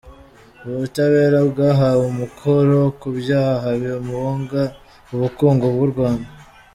Ubutabera bwahawe umukoro ku byaha bimunga ubukungu bw’u Rwanda.